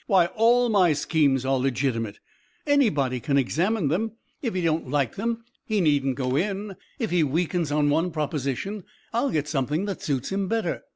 "Why, all my schemes are legitimate. Anybody can examine them. If he don't like them, he needn't go in. If he weakens on one proposition, I'll get something that suits him better.